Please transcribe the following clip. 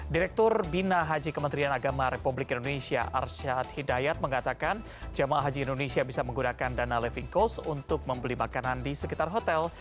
direktur bina haji kementerian agama republik indonesia arsyad hidayat mengatakan jemaah haji indonesia bisa menggunakan dana living cost untuk membeli makanan di sekitar hotel